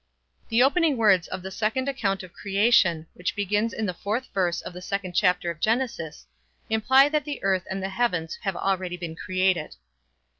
The opening words of the second account of creation, which begins in the fourth verse of the second chapter of Genesis, imply that the earth and the heavens have already been created.